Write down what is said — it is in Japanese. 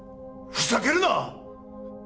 ふざけるな！